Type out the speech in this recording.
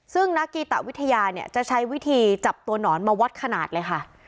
ซึ่งนักกีตะวิทยาเนี่ยจะใช้วิธีจับตัวหนอนมาวัดขนาดเลยค่ะ